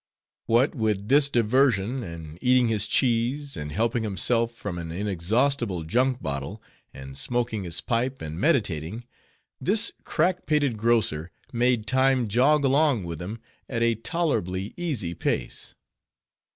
What with this diversion, and eating his cheese, and helping himself from an inexhaustible junk bottle, and smoking his pipe, and meditating, this crack pated grocer made time jog along with him at a tolerably easy pace.